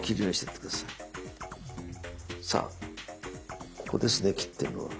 さあここですね切ってるのは。